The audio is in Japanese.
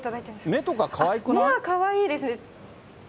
目はかわいいです。